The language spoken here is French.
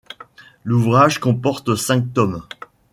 L'ouvrage comporte cinq tomes.